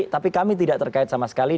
tapi kami tidak terkait sama sekali